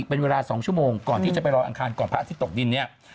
เป็นเวลา๒ชั่วโมงก่อนที่จะไปรออังคารก่อนพระอาทิตย์ตกดินเนี่ย